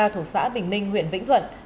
thuộc xã bình minh huyện vĩnh thuận